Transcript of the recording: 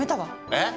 えっ？